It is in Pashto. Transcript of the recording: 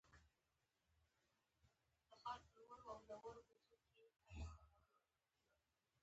پیاله له انسان سره یو ځای ده.